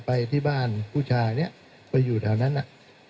ไปที่บ้านผู้ชายเนี่ยไปอยู่แถวนั้นน่ะ